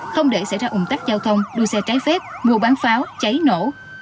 không để xảy ra ủng tắc giao thông đua xe trái phép mua bán pháo cháy nổ